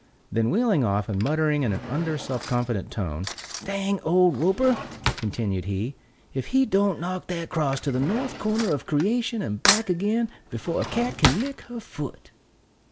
Then wheeling off, and muttering in an under, self confident tone, "Dang old Roper," continued he, "if he don't knock that cross to the north corner of creation and back again before a cat can lick her foot."